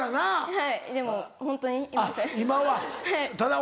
はい。